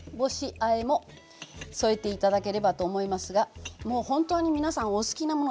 あえも添えて頂ければと思いますがもう本当に皆さんお好きなもの